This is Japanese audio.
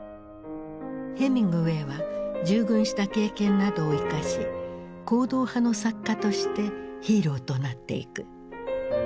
ヘミングウェイは従軍した経験などを生かし行動派の作家としてヒーローとなっていく。